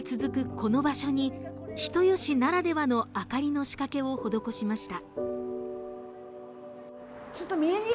この場所に人吉ならではの明かりの仕掛けを施しました。